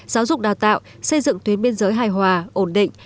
giáo dục đào tạo xây dựng tuyến biên giới hài hòa ổn định